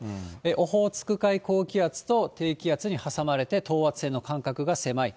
オホーツク海高気圧と低気圧に挟まれて、等圧線の間隔が狭い。